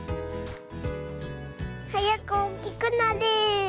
はやくおおきくなれ！